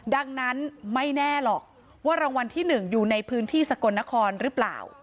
ดังนั้นไม่แน่หรอกว่ารางวัลที่๑อยู่ในพื้นที่สกลนครหรือเปล่า